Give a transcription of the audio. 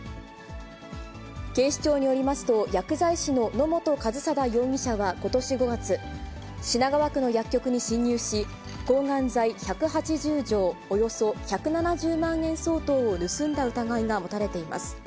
警視庁によりますと、薬剤師の野本一定容疑者はことし５月、品川区の薬局に侵入し、抗がん剤１８０錠、およそ１７０万円相当を盗んだ疑いが持たれています。